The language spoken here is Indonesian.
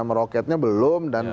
meroketnya belum dan